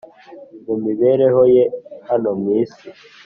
Mu mibereho ye hano mw,isi.